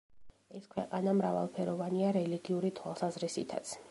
ეს ქვეყანა მრავალფეროვანია რელიგიური თვალსაზრისითაც.